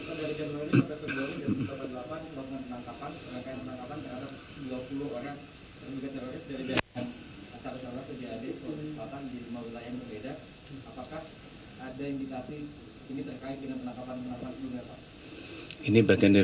ini terkait dengan penangkapan penangkapan ini pak